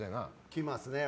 来ますね。